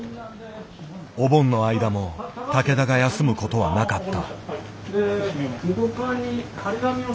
お盆の間も竹田が休むことはなかった。